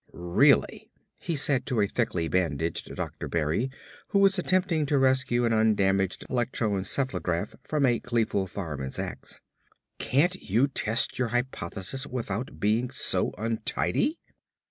"Really!" he said to a thickly bandaged Dr. Berry who was attempting to rescue an undamaged electroencephalograph from a gleeful fireman's ax, "can't you test your hypothesis without being so untidy?"